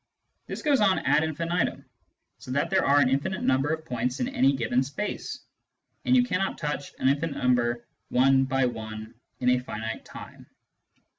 This goes on ad infinitum^ so that there are an infinite number of points in any given space^ and you cannot touch an infinite number one by one in a finite time."